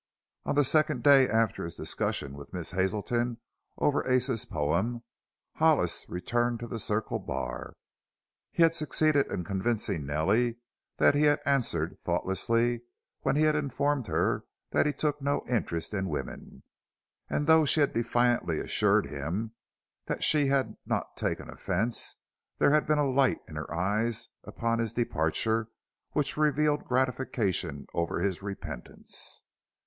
On the second day after his discussion with Miss Hazelton over Ace's poem Hollis returned to the Circle Bar. He had succeeded in convincing Nellie that he had answered thoughtlessly when he had informed her that he took no interest in women, and though she had defiantly assured him that she had not taken offense, there had been a light in her eyes upon his departure which revealed gratification over his repentance.